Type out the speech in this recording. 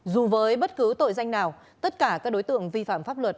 dù với bất cứ tội danh nào tất cả các đối tượng vi phạm pháp luật